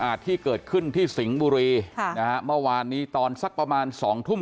ที่เกิดขึ้นที่สิงห์บุรีค่ะนะฮะเมื่อวานนี้ตอนสักประมาณสองทุ่ม